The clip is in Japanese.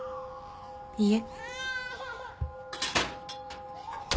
いいえ。